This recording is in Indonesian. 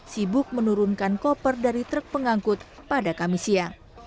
sibuk menurunkan koper dari truk pengangkut pada kamis siang